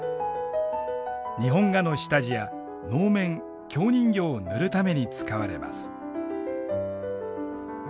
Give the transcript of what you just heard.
日本画の下地や能面京人形を塗るために使われます。